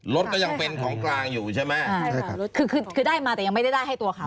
รถก็ยังเป็นของกลางอยู่ใช่ไหมใช่ค่ะรถคือคือได้มาแต่ยังไม่ได้ได้ให้ตัวเขา